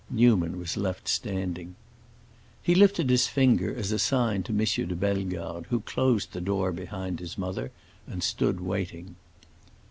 Newman was left standing. He lifted his finger, as a sign to M. de Bellegarde, who closed the door behind his mother and stood waiting.